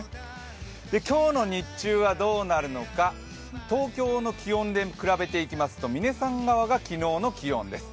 今日の日中はどうなるのか、東京の気温で比べていきますと、嶺さん側が昨日の気温です。